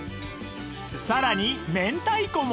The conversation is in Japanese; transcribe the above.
さらに明太子も！